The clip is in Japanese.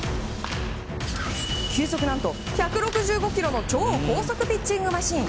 球速、何と１６５キロの超高速ピッチングマシン。